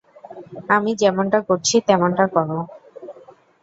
আমি যেমনটা করছি, তেমনটা করো।